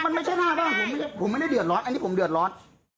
มันไม่ใช่หน้าบ้านผมไม่ได้เดือดร้อนอันนี้ผมเดือดร้อน